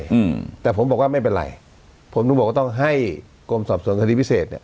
อืมแต่ผมบอกว่าไม่เป็นไรผมถึงบอกว่าต้องให้กรมสอบสวนคดีพิเศษเนี้ย